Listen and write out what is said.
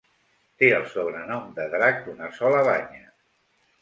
Té el sobrenom de "drac d'una sola banya".